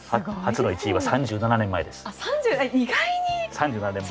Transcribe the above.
初の１位は３７年前です。